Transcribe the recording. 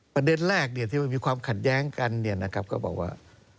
ประเด็นแรกที่มันมีความขัดแย้งกันก็บอกว่า